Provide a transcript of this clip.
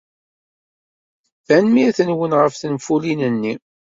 Tanemmirt-nwen ɣef tenfulin-nni.